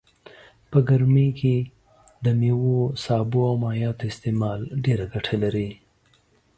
په ګرمي کي دميوو سابو او مايعاتو استعمال ډيره ګټه لرئ